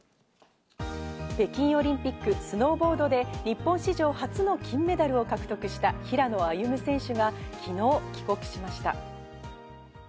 北京オリンピック、スノーボードで日本史上初の金メダルを獲得した平野歩夢選手が昨日、帰国しました。